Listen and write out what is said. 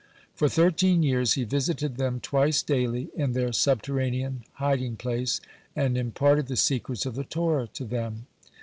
For thirteen years he visited them twice daily in their subterranean hiding place, and imparted the secrets of the Torah to them.